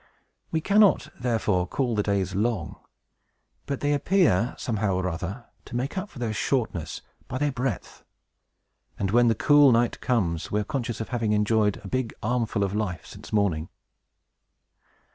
We cannot, therefore, call the days long; but they appear, somehow or other, to make up for their shortness by their breadth; and when the cool night comes, we are conscious of having enjoyed a big armful of life, since morning.